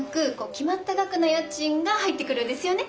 決まった額の家賃が入ってくるんですよね？